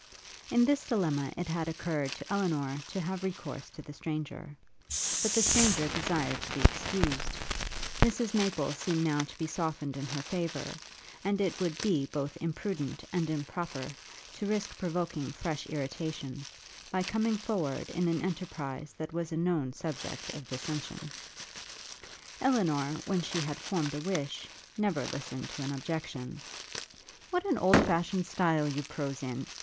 In this dilemma it had occurred to Elinor to have recourse to the stranger; but the stranger desired to be excused: Mrs Maple seemed now to be softened in her favour; and it would be both imprudent and improper to risk provoking fresh irritation, by coming forward in an enterprise that was a known subject of dissention. Elinor, when she had formed a wish, never listened to an objection. 'What an old fashioned style you prose in!'